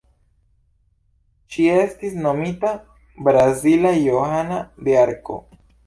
Ŝi estis nomita "Brazila Johana de Arko".